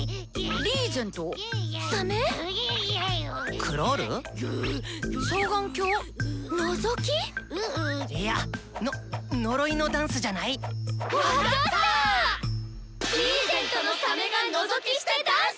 リーゼントのサメがのぞきしてダンス！